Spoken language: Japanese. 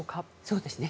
そうですね。